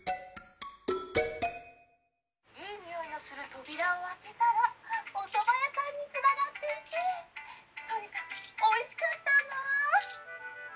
「いいにおいのする扉を開けたらおそば屋さんにつながっていてとにかくおいしかったんだ」。